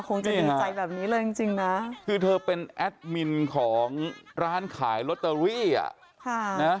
คงจะดีใจแบบนี้เลยจริงจริงนะคือเธอเป็นแอดมินของร้านขายลอตเตอรี่อ่ะค่ะนะ